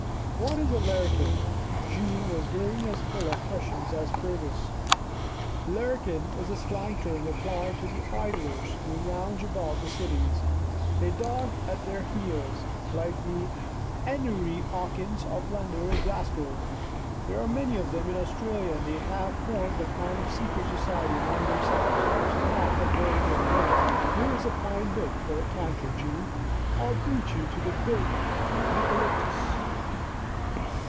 " What is a larrikin? " Jean was growing as full of questions as Fergus. " Larrikin is a slang term applied to the idlers who lounge about the cities, a dog at their heels, like the 'Enery 'Awkins of London or Glasgow. There are many of them in Australia and they have formed a kind of secret society among themselves, which is not a very good thing. Here is a fine bit for a canter, Jeanie. I'll beat you to the big eucalyptus."